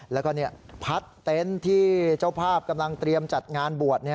แล้วก็พัดเต็นต์ที่เจ้าภาพกำลังเตรียมจัดงานบวช